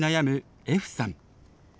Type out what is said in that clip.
歩さん。